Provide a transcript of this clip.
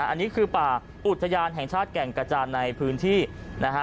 อันนี้คือป่าอุทยานแห่งชาติแก่งกระจานในพื้นที่นะฮะ